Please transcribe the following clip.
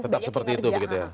tetap seperti itu begitu ya